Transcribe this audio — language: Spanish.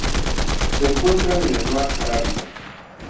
Se encuentra en el mar Arábigo.